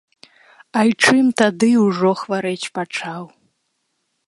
Айчым тады ўжо хварэць пачаў.